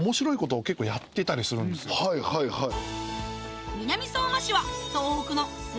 はいはいはい。